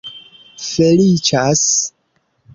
feliĉas